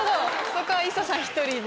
そこはＩＳＳＡさん１人で。